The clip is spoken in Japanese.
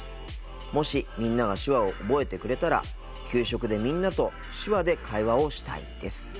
もしみんなが手話を覚えてくれたら給食でみんなと手話で会話をしたいです」。